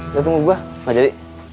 udah tunggu gua gak jadi